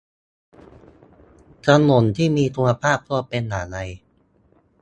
ถนนที่มีคุณภาพควรเป็นอย่างไร